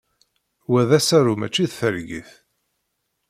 Wa d asaru mačči d targit!